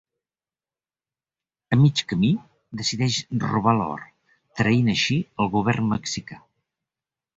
A mig camí, decideix robar l'or, traint així el govern mexicà.